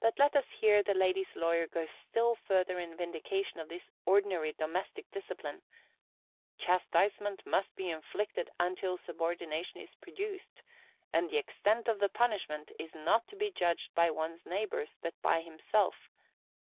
But let us hear the lady's lawyer go still further in vindication of this ordinary domestic discipline: "Chastisement must be inflicted until subordination is produced; and the extent of the punishment is not to be judged by one's neighbors, but by himself.